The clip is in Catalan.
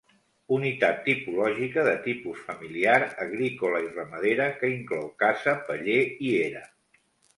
Unitat tipològica de tipus familiar, agrícola i ramadera, que inclou casa, paller i era.